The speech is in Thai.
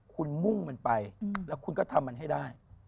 คุณมุ่งมันไปแล้วคุณก็ทำมันให้ได้